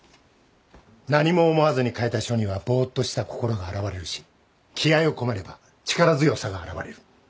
何も思わずに書いた書にはぼーっとした心が表れるし気合を込めれば力強さが表れる。